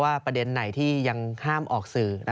ประเด็นไหนที่ยังห้ามออกสื่อ